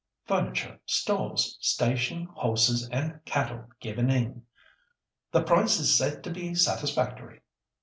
Furniture, stores, station, horses and cattle given in. The price is said to be satisfactory.